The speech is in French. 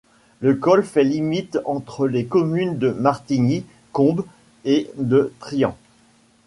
Le col fait limite entre les communes de Martigny-Combe et de Trient.